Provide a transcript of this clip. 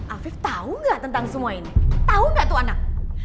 afif tau gak tentang semua ini tau gak tuh anak